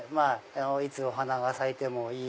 いつお花が咲いてもいい。